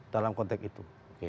dalam konteks itu